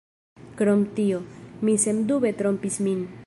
Krom tio, mi sendube trompis min.